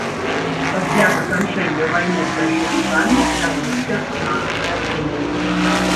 Пасля заканчэння вайны з бальшавікамі вярнуўся на радзіму.